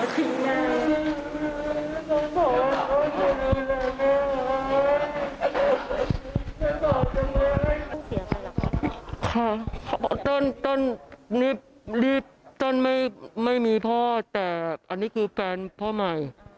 ค่ะเจ้านี่รีบไม่มีพ่อแต่อันนี้คือแฟนพ่อใหม่